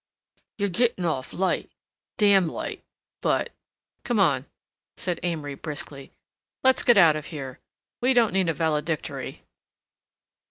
"You're gettin' off light—damn light—but—" "Come on," said Amory briskly. "Let's get out of here. We don't need a valedictory."